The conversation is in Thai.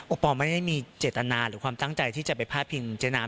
ปอลไม่ได้มีเจตนาหรือความตั้งใจที่จะไปพาดพิงเจ๊น้ำ